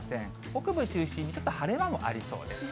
北部中心に、ちょっと晴れ間もありそうです。